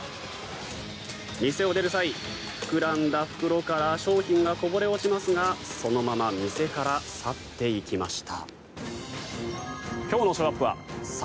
店を出る際、膨らんだ袋から商品がこぼれ落ちますがそのまま店から去っていきました。